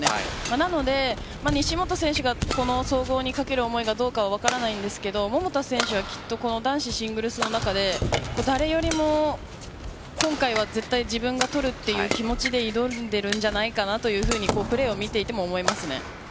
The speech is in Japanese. なので西本選手がこの総合にかける思いがどうかは分からないんですが桃田選手はきっと男子シングルスの中で誰よりも今回は絶対、自分が取るという気持ちで挑んでいるんじゃないかとプレーを見ていても思いますね。